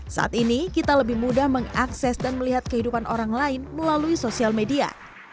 saat ini kita lebih mudah mengakses dan melihat kehidupan orang lain melalui sosial media